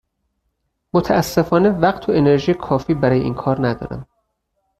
متأسفانه وقت و انرژی کافی برای این کار ندارم.